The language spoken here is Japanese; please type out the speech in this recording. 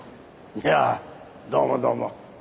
いやどうもどうも。